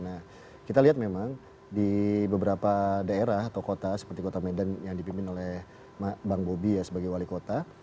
nah kita lihat memang di beberapa daerah atau kota seperti kota medan yang dipimpin oleh bang bobi ya sebagai wali kota